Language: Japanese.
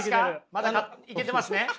まだいけてますね？